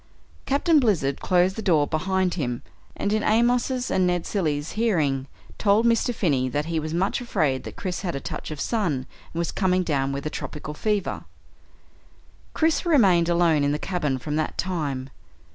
Captain Blizzard closed the door behind him, and in Amos's and Ned Cilley's hearing, told Mr. Finney that he was much afraid that Chris had a touch of the sun and was coming down with a tropical fever. Chris remained alone in the cabin from that time.